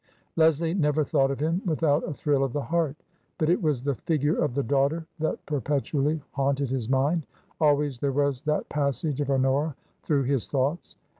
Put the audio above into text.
Leslie never thought of him without a thrill of the heart. But it was the figure of the daughter that perpetually haunted his mind; always there was that passage of Honora through his thoughts!